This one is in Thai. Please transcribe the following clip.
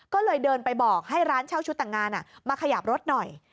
ก็เลยเดินไปบอกให้ร้านเช่าชุดแต่งงานมาขยับรถหน่อย